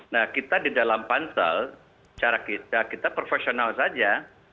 nah kita di dalam pansel cara kita kita profesional saja